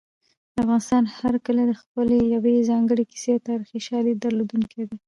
د افغانستان هر کلی د خپلې یوې ځانګړې کیسې او تاریخي شاليد درلودونکی دی.